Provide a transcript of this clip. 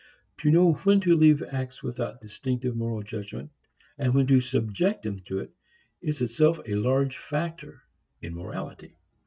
To know when to leave acts without distinctive moral judgment and when to subject them to it is itself a large factor in morality.